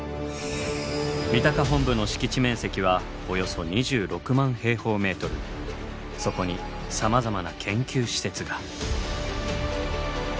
三鷹本部のそこにさまざまな研究施設が。